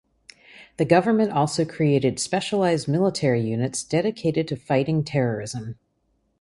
The government also created specialized military units dedicated to fighting terrorism.